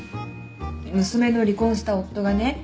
娘の離婚した夫がね